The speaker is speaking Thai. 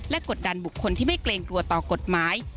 กดดันบุคคลที่ไม่เกรงกลัวต่อกฎหมาย